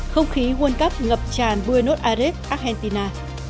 không khí huôn cấp ngập tràn buenos aires argentina